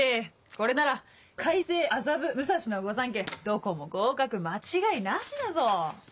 これなら開成麻布武蔵の御三家どこも合格間違いなしだぞ！